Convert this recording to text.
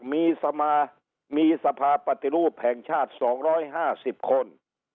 มีสภาปฏิรูปแห่งชาติ๒๕๐คน